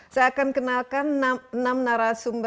saya akan kenalkan enam narasumbernya ada dr insinyur soni solih